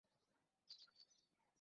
এখন তুমি এটাকে নিয়ন্ত্রণ করতে পারবে।